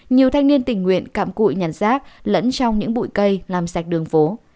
nhiều thanh niên tình nguyện cạm cụi nhắn rác lẫn trong những bụi cây làm sạch đường phố